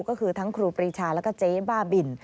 ก็คือทั้งครูปรีชาแล้วก็เจ๊บ้าบิน